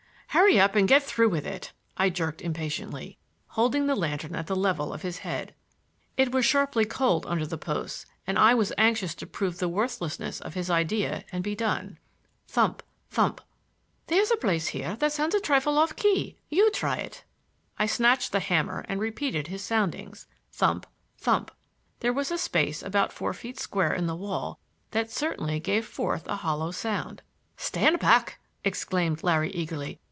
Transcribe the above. "Hurry up and get through with it," I jerked impatiently, holding the lantern at the level of his head. It was sharply cold under the posts and I was anxious to prove the worthlessness of his idea and be done. Thump! thump! "There's a place here that sounds a trifle off the key. You try it." I snatched the hammer and repeated his soundings. Thump! thump! There was a space about four feet square in the wall that certainly gave forth a hollow sound. "Stand back!" exclaimed Larry eagerly.